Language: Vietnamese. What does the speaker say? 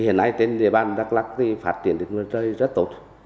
hiện nay tên địa bàn đắk lắc phát triển được nguồn trời rất tốt